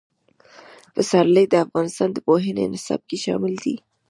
پسرلی د افغانستان د پوهنې نصاب کې شامل دي.